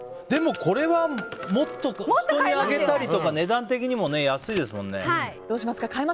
でもこれはもっと人にあげたりとか値段的にも安いですもんね。